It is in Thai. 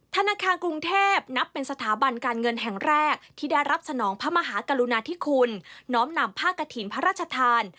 ธนาคารกรุงเทพนับเป็นสถาบันการเงินแห่งแรกที่ได้รับสนองพระมหากรุณาธิคุณน้อมนำผ้ากระถิ่นพระราชทาน